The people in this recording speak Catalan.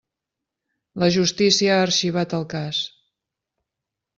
La justícia ha arxivat el cas.